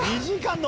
２時間？